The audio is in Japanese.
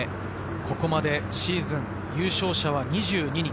ここまでシーズン優勝者は２２人。